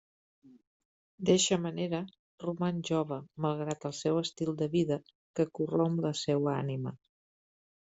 D’eixa manera, roman jove malgrat el seu estil de vida, que corromp la seua ànima.